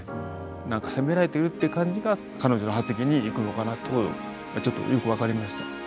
なんか責められているっていう感じが彼女の発言にいくのかなっていうことちょっとよく分かりました。